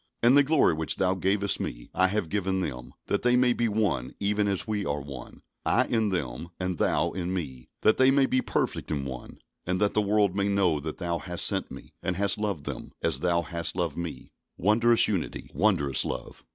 "And the glory which Thou gavest Me I have given them; that they may be one, even as We are one; I in them, and Thou in Me, that they may be perfect in one; and that the world may know that Thou hast sent Me, and hast loved them, as Thou hast loved Me." Wondrous unity! Wondrous love!